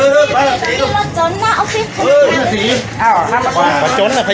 รถมันต่อไปเสียเนอะ